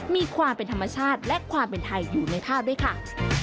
มีความเป็นธรรมชาติและความเป็นไทยอยู่ในภาพด้วยค่ะ